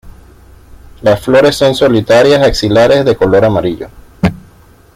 Las flores son solitarias, axilares, de color amarillo.